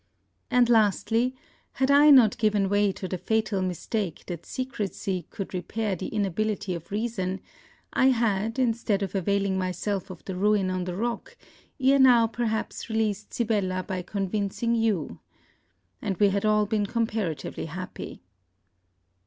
And lastly, had I not given way to the fatal mistake that secresy could repair the inability of reason, I had, instead of availing myself of the ruin on the rock, ere now perhaps released Sibella by convincing you. And we had all been comparatively happy.